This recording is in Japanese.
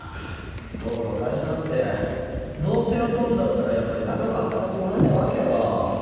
どこの会社だってどうせ雇うんだったらやっぱり長く働いてもらいたいわけよ。